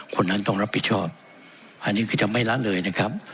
คนนั้นต้องรับผิดชอบอันนี้ก็จะไม่ละเลยนะครับ